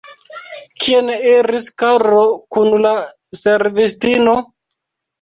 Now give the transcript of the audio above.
Kien iris Karlo kun la servistino?